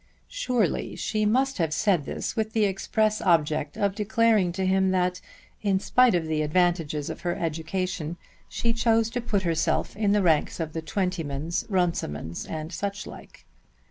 Surely she must have said this with the express object of declaring to him that in spite of the advantages of her education she chose to put herself in the ranks of the Twentymans, Runcimans and such like.